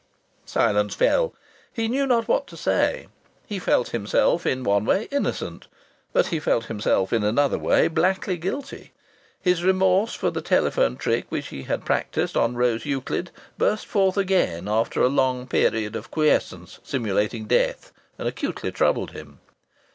Silence fell. He knew not what to say. He felt himself in one way innocent, but he felt himself in another way blackly guilty. His remorse for the telephone trick which he had practised on Rose Euclid burst forth again after a long period of quiescence simulating death, and acutely troubled him....